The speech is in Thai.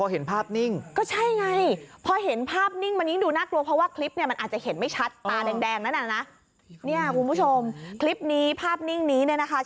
เห็นไหมผีเปรตมาฮะล้องฟูมิเลย